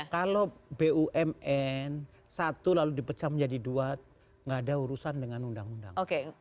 kalau bumn satu lalu dipecah menjadi dua nggak ada urusan dengan undang undang